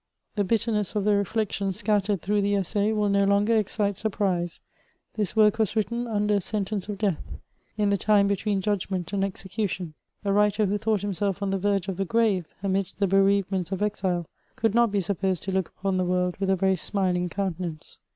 '' The bitterness of the reflections scattered through the Essai will no longer excite surprise : this work was written under a sentence of death ; in the time between judgment and execution. A writer, who thought himself on the verge of the g^ave, amidst the bereavements of exile, could not be supposed to look upon the world with a very smiling; countenance.